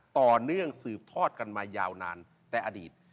ต่อเนื่องสืบทอดกันมายาวนานแต่อดีต